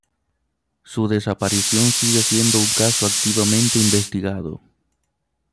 Su desaparición sigue siendo un caso activamente investigado.